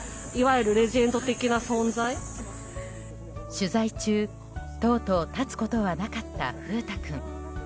取材中、とうとう立つことはなかった風太君。